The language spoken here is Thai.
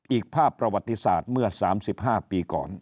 อีกภาพประวัติศาสตร์เมื่อ๓๕ปีก่อน